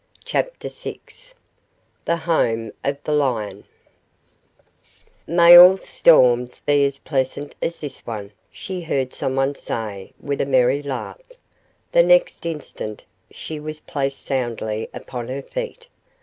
CHAPTER VI THE HOME OF THE LION "May all storms be as pleasant as this one!" she heard someone say, with a merry laugh. The next instant she was placed soundly upon her feet.